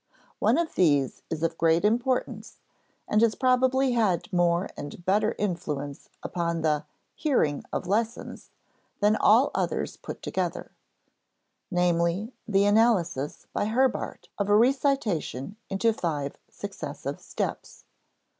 One of these is of great importance and has probably had more and better influence upon the "hearing of lessons" than all others put together; namely, the analysis by Herbart of a recitation into five successive steps.